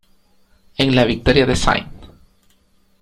En la victoria de St.